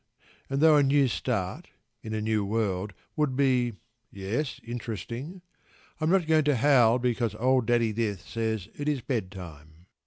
And though a new start, in a new world, would be yes, interesting I am not going to howl because old Daddy Death says it is bed time.